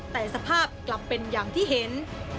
แต่สภาพกลับเป็นอย่างที่เห็น